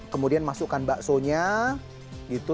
kemudian masukkan bakso nya gitu